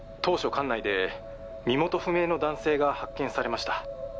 管内で☎身元不明の男性が発見されました